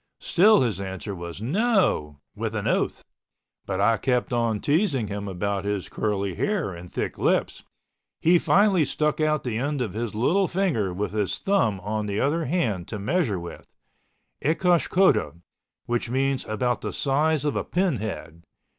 Still his answer was NO, with an oath, but I kept on teasing him about his curly hair and thick lips. He finally stuck out the end of his little finger with his thumb on the other hand to measure with—ecosh cota, which meant about the size of a pin head.